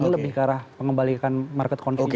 lebih ke arah pengembalikan market confidence